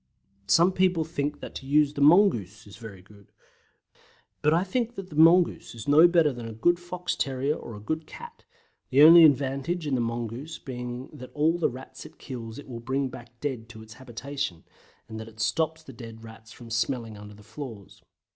Some people think that to use THE MONGOOSE is very good, but I think that the mongoose is no better than a good fox terrier dog or a good cat, the only advantage in the mongoose being that all the Rats it kills it will bring back dead to its habitation, and that stops the dead Rats from smelling under the floors.